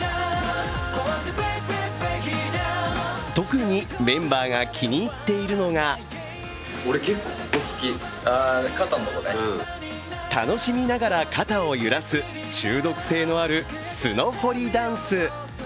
特にメンバーが気に入っているのが楽しみながら肩を揺らす中毒性のあるスノホリダンス。